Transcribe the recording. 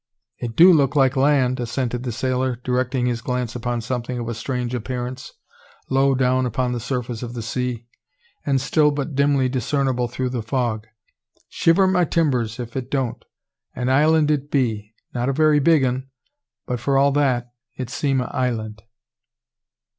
"It do look like land," assented the sailor, directing his glance upon something of a strange appearance, low down upon the surface of the sea, and still but dimly discernible through the fog. "Shiver my timbers if it don't! An island it be, not a very big 'un, but for all that, it seem a island."